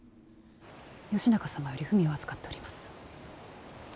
義仲様より文を預かっております。